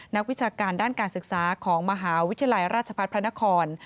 นักวิชาการด้านการศึกษาของมหาวิทยาลัยราชภัภัภนคร